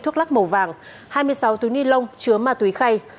thuốc lắc màu vàng hai mươi sáu túi ni lông chứa ma túy khay